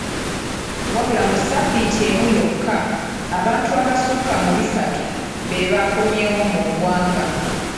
Wabula mu sabbiiti emu yokka, abantu abasukka mu bisatu bebaakomyewo mu ggwanga.